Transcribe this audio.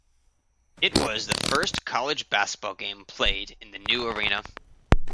It was the first college basketball game played in the new arena.